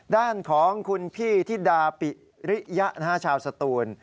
ด้านของคุณพี่ธิดาปิริยะชาวสตูน